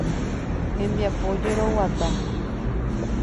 Hembiapo jeroguata.